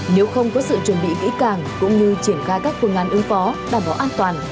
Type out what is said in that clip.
nếu không có sự chuẩn bị kỹ càng cũng như triển khai các phương án ứng phó đảm bảo an toàn